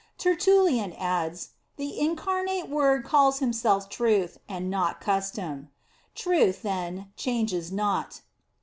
Tertullian adds: The Incarnate Word calls Himself Truth, and not Custom. Truth, then changes not.